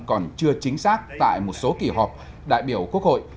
còn chưa chính xác tại một số kỳ họp đại biểu quốc hội